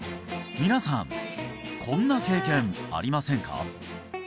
皆さんこんな経験ありませんか？